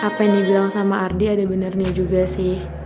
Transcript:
apa yang dibilang sama ardi ada benarnya juga sih